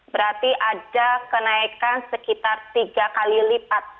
berarti ada kenaikan sekitar tiga kali lipat